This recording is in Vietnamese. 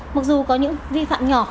mặc dù có những vi phạm nhỏ